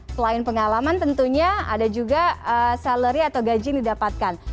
selain pengalaman tentunya ada juga salary atau gaji yang didapatkan